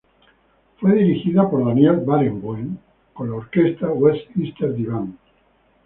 Fue dirigida por Daniel Barenboim con la Orquesta West-Eastern Divan.